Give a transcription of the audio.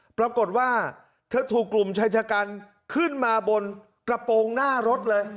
ปรากฏว่าเธอถูกกลุ่มชายชะกันขึ้นมาบนกระโปรงหน้ารถเลย